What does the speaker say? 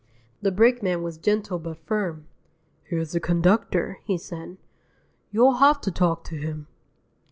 The brakeman was gentle but firm. "Here's the conductor," he said. "You'll have to talk to him."